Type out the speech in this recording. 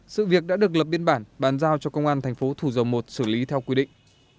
sự việc đã được lập biên bản bàn giao cho công an thành phố thủ dầu một xử lý theo quy định